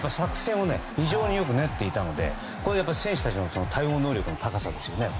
非常によく練っていたので選手たちの対応能力の高さですよね。